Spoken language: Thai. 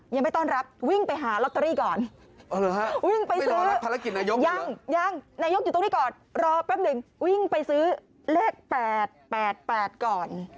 รอแป๊บหนึ่งวิ่งไปซื้อเลข๘๘๘ก่อน